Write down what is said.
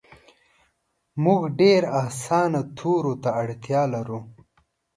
مونږ ډیر اسانه تورو ته اړتیا لرو